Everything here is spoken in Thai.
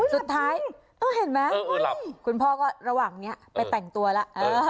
สุดท้ายเห็นไหมคุณพ่อก็ระหว่างนี้ไปแต่งตัวแล้ว